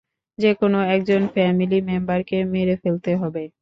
যেকোন একজন ফ্যামিলি মেম্বারকে মেরে ফেলতে হবে।